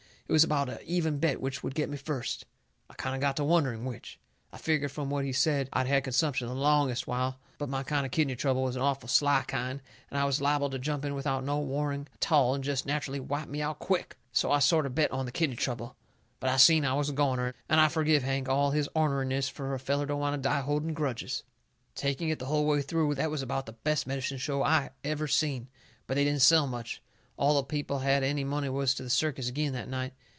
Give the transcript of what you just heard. It was about a even bet which would get me first. I kind o' got to wondering which. I figgered from what he said that I'd had consumption the LONGEST while, but my kind of kidney trouble was an awful SLY kind, and it was lible to jump in without no warning a tall and jest natcherally wipe me out QUICK. So I sort o' bet on the kidney trouble. But I seen I was a goner, and I forgive Hank all his orneriness, fur a feller don't want to die holding grudges. Taking it the hull way through, that was about the best medicine show I ever seen. But they didn't sell much. All the people what had any money was to the circus agin that night.